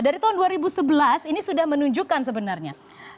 dari tahun dua ribu sebelas ini sudah menunjukkan sebenarnya